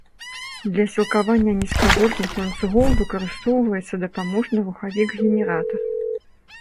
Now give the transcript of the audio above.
Для сілкавання нізкавольтных ланцугоў выкарыстоўваецца дапаможны рухавік-генератар.